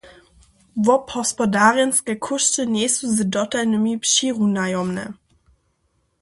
Wobhospodarjenske kóšty njejsu z dotalnymi přirunajomne.